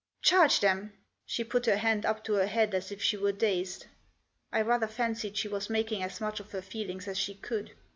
"Charge them?" She put her hand up to her head, as if she were dazed. I rather fancied she was making as much of her feelings as she could.